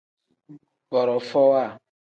Borofowa.